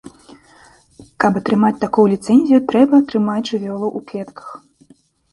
Каб атрымаць такую ліцэнзію трэба трымаць жывёлаў у клетках.